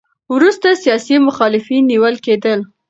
وروسته سیاسي مخالفین نیول کېدل.